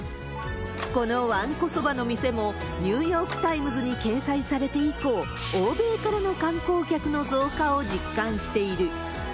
このわんこそばの店も、ニューヨーク・タイムズに掲載されて以降、欧米からの観光客の増加を実感している。